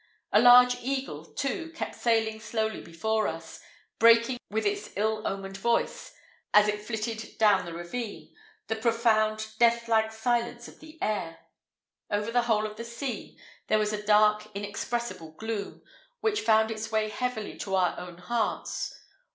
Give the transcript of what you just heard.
A large eagle, too, kept sailing slowly before us, breaking with its ill omened voice, as it flitted down the ravine, the profound death like silence of the air. Over the whole of the scene there was a dark, inexpressible gloom, which found its way heavily to our own hearts.